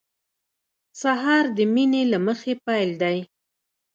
سهار د مینې له مخې پیل دی.